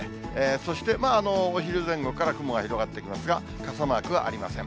そして、お昼前後から雲が広がってきますが、傘マークはありません。